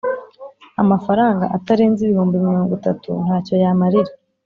amafaranga atarenze ibihumbi mirongo itatu ntacyo yamarira